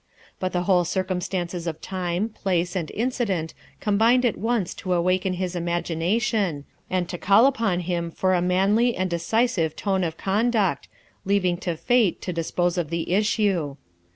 But the whole circumstances of time, place, and incident combined at once to awaken his imagination and to call upon him for a manly and decisive tone of conduct, leaving to fate to dispose of the issue.